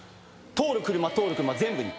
通る車通る車全部に。